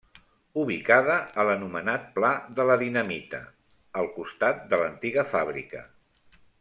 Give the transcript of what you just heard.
Ubicada a l'anomenat pla de la Dinamita, al costat de l'antiga fàbrica.